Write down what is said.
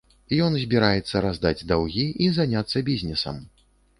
Ён збіраецца раздаць даўгі і заняцца бізнесам.